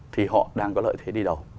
thì họ đang có lợi thế đi đầu